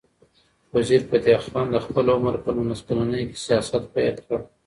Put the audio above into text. وزیرفتح خان د خپل عمر په نولس کلنۍ کې سیاست پیل کړ.